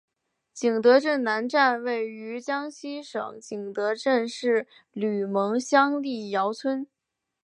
景德镇南站位于江西省景德镇市吕蒙乡历尧村。